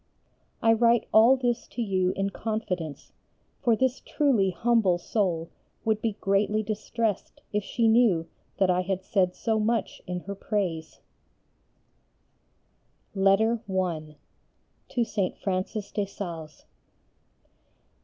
I write all this to you in confidence, for this truly humble soul would be greatly distressed if she knew that I had said so much in her praise." SELECTED LETTERS OF ST. JANE FRANCES DE CHANTAL I. _To St. Francis de Sales.